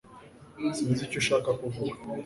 sinzi icyo ushaka kuvuga